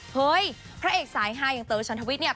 เฮ้ยพระเอกสายฮาอย่างเต๋อชันทวิทย์เนี่ย